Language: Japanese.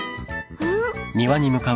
うん？